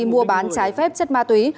mua bán trái phép chất ma túy